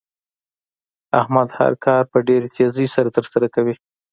احمد هر کار په ډېرې تېزۍ سره تر سره کوي.